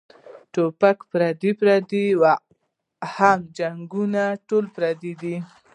ټوپک پردے پردے او هم جنګــــونه ټول پردي دي